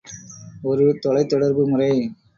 ஒரு தொலைத் தொடர்பு முறை.